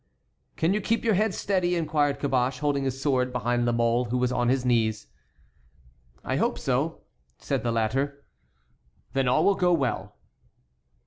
"Can you keep your head steady?" inquired Caboche, holding his sword behind La Mole, who was on his knees. "I hope so," said the latter. "Then all will go well."